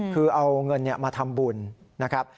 คือเอาเงินมาทำบุญนะครับ